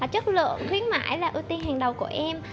chất lượng khuyến mãi là ưu tiên hàng đầu của em